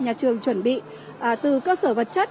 nhà trường chuẩn bị từ cơ sở vật chất